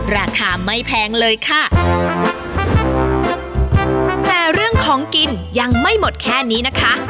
ราคาไม่แพงเลยค่ะแต่เรื่องของกินยังไม่หมดแค่นี้นะคะ